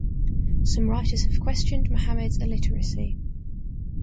Some writers have questioned Muhammad's illiteracy.